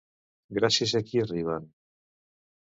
Gràcies a qui arriben?